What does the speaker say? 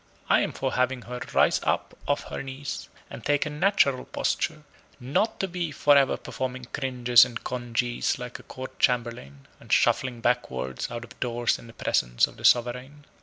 I am for having her rise up off her knees, and take a natural posture: not to be for ever performing cringes and congees like a court chamberlain, and shuffling backwards out of doors in the presence of the sovereign.